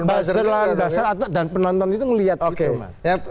buzzer dan penonton itu melihat gitu